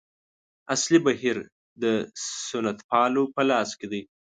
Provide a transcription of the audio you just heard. اصلي بهیر د سنتپالو په لاس کې دی.